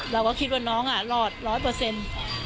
เราก็คิดว่าน้องอ่ะรอดร้อยเปอร์เซ็นต์